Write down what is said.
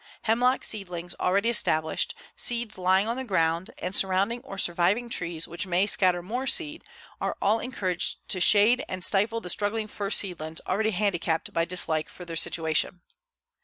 Hemlock seedlings already established, seeds lying on the ground, and surrounding or surviving trees which may scatter more seed, are all encouraged to shade and stifle the struggling fir seedlings already handicapped by dislike for their situation.